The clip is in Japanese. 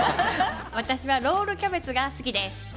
私はロールキャベツが好きです。